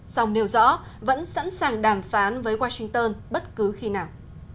song nêu rõ vẫn sẵn sàng đàm phán với washington bất cứ khi nào